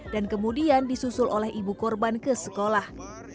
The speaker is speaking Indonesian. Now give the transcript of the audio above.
dan kemudian disusul oleh ibu korban ke sekolah